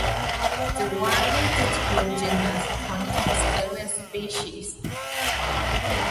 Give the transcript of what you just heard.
The widely distributed genus contains seven species.